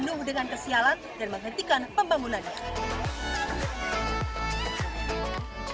penuh dengan kesialan dan menghentikan pembangunannya